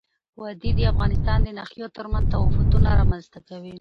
وادي د افغانستان د ناحیو ترمنځ تفاوتونه رامنځ ته کوي.